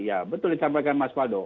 ya betul yang disampaikan mas fado